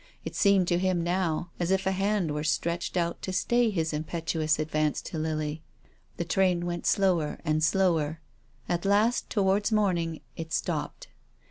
It seemed to him now as if a hand were stretched out to stay his impetuous advance to Lily. The train went slower and slower. At last, towards morning, it stopped.